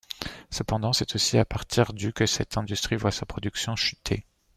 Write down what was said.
Cependant c'est aussi à partir du que cette industrie voit sa production chuter.